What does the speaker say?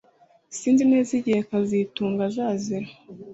Sinzi neza igihe kazitunga azazira